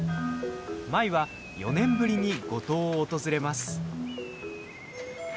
舞は４年ぶりに五島を訪れます。